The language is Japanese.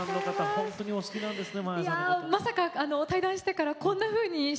本当にお好きなんですね